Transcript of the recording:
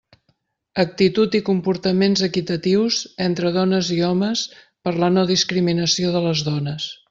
Actitud i comportaments equitatius entre dones i homes para la no-discriminació de les dones.